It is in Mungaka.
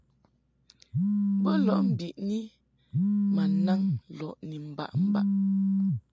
Bo lɔʼ mbiʼni ma naŋ lɔʼ ni mbaʼmbaʼ.